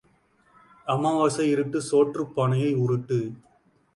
அமாவாசை இருட்டு சோற்றுப் பானையை உருட்டு.